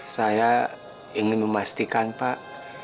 saya ingin memastikan pak